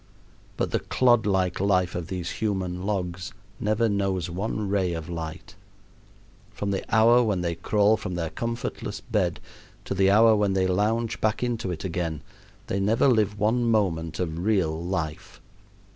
But the clod like life of these human logs never knows one ray of light. From the hour when they crawl from their comfortless bed to the hour when they lounge back into it again they never live one moment of real life.